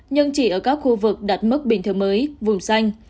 nhưng chỉ ở các khu vực đặt mức bình thường mới vùng xanh